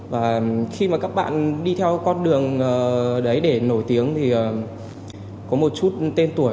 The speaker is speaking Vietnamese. và khi mà các bạn đi theo con đường đấy để nổi tiếng thì có một chút tên tuổi